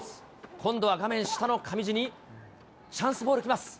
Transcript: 今度は画面下の上地にチャンスボール来ます。